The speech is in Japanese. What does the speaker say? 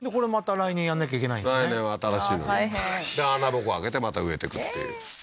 来年は新しいのに大変で穴ぼこ開けてまた植えてくっていうええー？